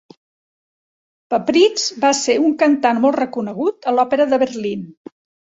Pappritz va ser un cantant molt reconegut a l'Òpera de Berlín.